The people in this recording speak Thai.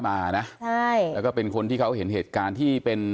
พูดเหมือนเดิมคือพูดอะไร